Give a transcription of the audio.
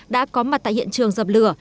đã có mặt tại hiện trường dập lửa